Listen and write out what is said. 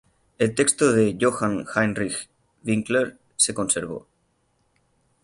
El texto de Johann Heinrich Winckler se conservó.